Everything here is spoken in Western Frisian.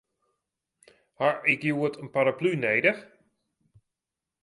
Ha ik hjoed in paraplu nedich?